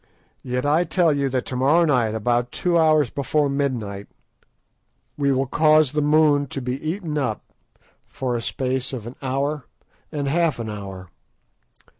Yet I tell you that to morrow night, about two hours before midnight, we will cause the moon to be eaten up for a space of an hour and half an hour.